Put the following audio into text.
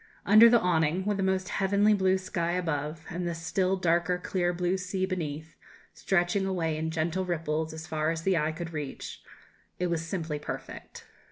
Under the awning with the most heavenly blue sky above, and the still darker clear blue sea beneath, stretching away in gentle ripples as far as the eye could reach it was simply perfect.